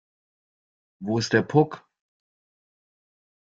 Wo ist der Puck?